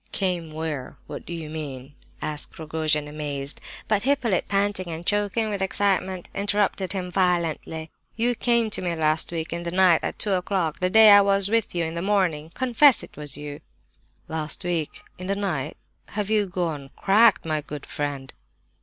_" "Came where? What do you mean?" asked Rogojin, amazed. But Hippolyte, panting and choking with excitement, interrupted him violently. "You came to me last week, in the night, at two o'clock, the day I was with you in the morning! Confess it was you!" "Last week? In the night? Have you gone cracked, my good friend?"